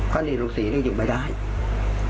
พอนี่ลูกศรีไม่ได้อยู่